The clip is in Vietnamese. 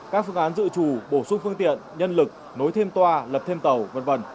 các phương án dự trù bổ sung phương tiện nhân lực nối thêm toa lập thêm tàu v v